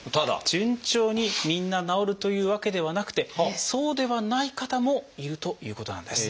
順調にみんな治るというわけではなくてそうではない方もいるということなんです。